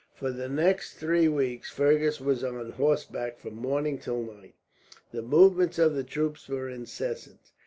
For the next three weeks Fergus was on horseback from morning till night. The movements of the troops were incessant.